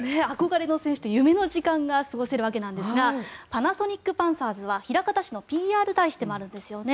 憧れの選手と夢の時間が過ごせるわけなんですがパナソニックパンサーズは枚方市のＰＲ大使でもあるんです。